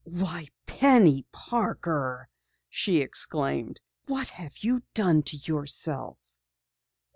"Why, Penny Parker!" she exclaimed. "What have you done to yourself?"